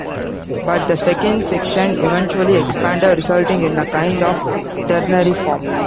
But the second section eventually expanded, resulting in a kind of ternary form.